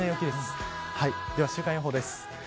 では週間予報です。